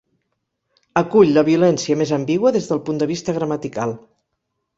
Acull la violència més ambigua des del punt de vista gramatical.